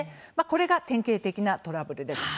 これが典型的なトラブルです。